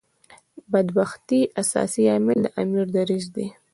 بدبختۍ اساسي عامل د امیر دریځ دی.